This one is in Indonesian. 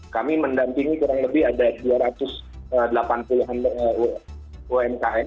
kami mendampingi kurang lebih ada dua ratus delapan puluh an umkm